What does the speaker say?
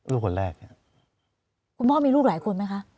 ลูกคนแรกคุณพ่อมีลูกหลายคนไหมคะ